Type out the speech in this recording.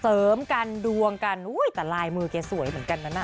เสริมกันดวงกันแต่ลายมือกันสวยเหมือนกันนะ